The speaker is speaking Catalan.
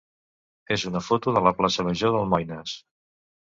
és una foto de la plaça major d'Almoines.